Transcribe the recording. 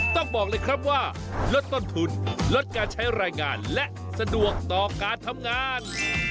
ต้องบอกเลยครับว่าลดต้นทุนลดการใช้รายงานและสะดวกต่อการทำงาน